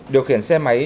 điều khiển xe máy